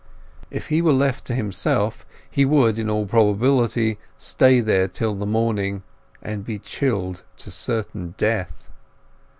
If he were left to himself he would in all probability stay there till the morning, and be chilled to certain death.